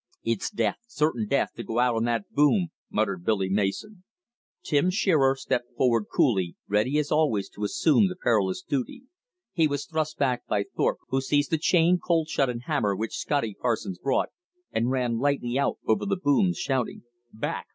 "It's death, certain death, to go out on that boom," muttered Billy Mason. Tim Shearer stepped forward coolly, ready as always to assume the perilous duty. He was thrust back by Thorpe, who seized the chain, cold shut and hammer which Scotty Parsons brought, and ran lightly out over the booms, shouting, "Back!